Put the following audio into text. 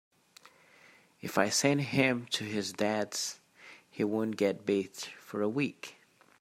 If I send him to his Dad’s he won’t get bathed for a week.